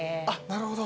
なるほど。